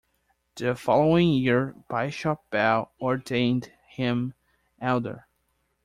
The following year Bishop Bell ordained him Elder.